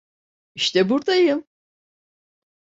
İşte burdayım.